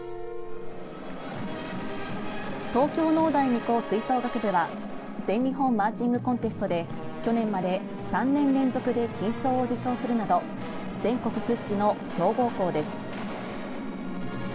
東京農大二高吹奏楽部は全日本マーチングコンテストで去年まで３年連続で金賞を受賞するなど全国屈指の強豪校です。